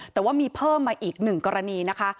แต่ว่ามีเพิ่มมาอีกหนึ่งกรณีนะคะ